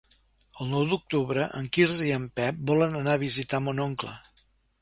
El nou d'octubre en Quirze i en Pep volen anar a visitar mon oncle.